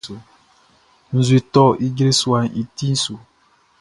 Nzueʼn tɔ ijre suaʼn i ti su.